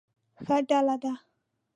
ښه ډله ده.